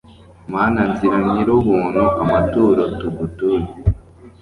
mana nziza nyir'ubuntu, amaturo tugutuye